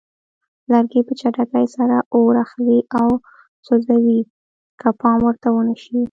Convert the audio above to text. لرګي په چټکۍ سره اور اخلي او سوځي که پام ورته ونه شي.